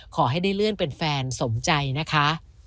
ขอให้ได้เลื่อนเป็นแฟนสมใจนะคะ